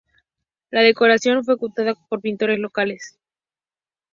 La decoración fue ejecutada por pintores locales.